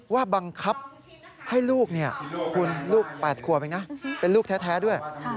ว่าบังคับให้ลูกคุณลูก๘ขวบเองนะเป็นลูกแท้ด้วย